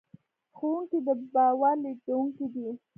ښوونکي د باور لېږدونکي دي.